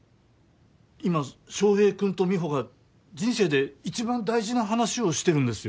今翔平君と美帆が人生で一番大事な話をしてるんですよ。